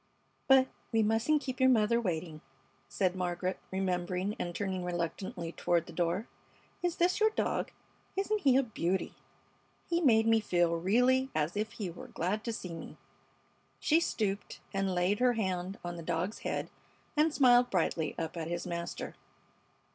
"But we mustn't keep your mother waiting," said Margaret, remembering and turning reluctantly toward the door. "Is this your dog? Isn't he a beauty? He made me feel really as if he were glad to see me." She stooped and laid her hand on the dog's head and smiled brightly up at his master.